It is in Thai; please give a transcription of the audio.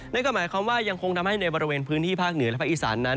นั่นก็หมายความว่ายังคงทำให้ในบริเวณพื้นที่ภาคเหนือและภาคอีสานนั้น